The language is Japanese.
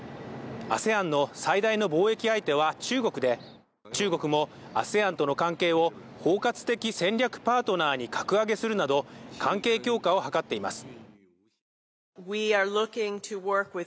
ＡＳＥＡＮの最大の貿易相手は中国で中国もＡＳＥＡＮとの関係を包括的戦略パートナーに格上げするなど関係強化を図っています